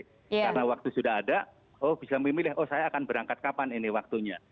karena waktu sudah ada oh bisa memilih oh saya akan berangkat kapan ini waktunya